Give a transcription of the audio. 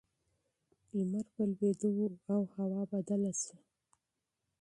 لمر په لوېدو و او هوا بدله شوه.